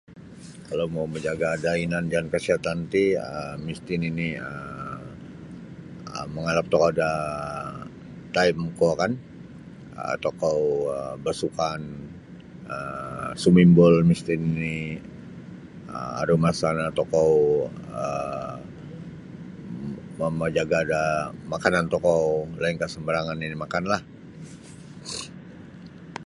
Kalau mau majaga da inan dan kesiatan ti um misti nini um mangalap tokou da time kuo kan um tokou basukan um sumimbul misti nini um aru masanyo tokou um mamajaga da makanan tokou lain ka sembarangan nini makanlah.